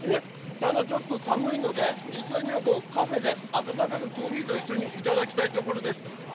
ただ、ちょっと寒いので実際にはカフェで暖かくコーヒーと一緒にいただきたいところです。